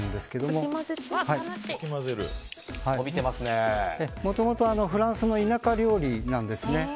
もともとフランスの田舎料理なんですね。